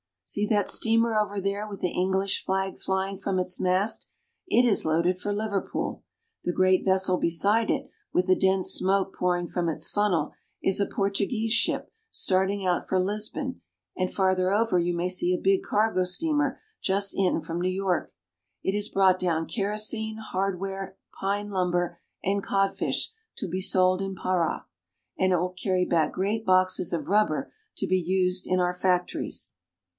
See that steamer over there with the English flag flying from its mast. It is loaded for Liverpool. The great vessel beside it, with the dense smoke pouring from its funnel, is a Portuguese ship starting out for Lisbon, and farther over you may see a big cargo steamer just in from New York. It has brought down kerosene, hardware, pine lumber, and codfish to be sold in Para, and it will carry back great boxes of rubber to be used in our factories.